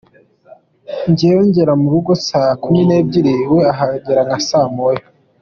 Njyewe ngera mu rugo saa kumi n’ebyiri we ahagera nka saa moya.